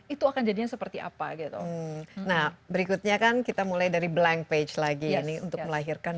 itu akan jadinya seperti apa gitu nah berikutnya kan kita mulai dari blank page lagi ini untuk melahirkan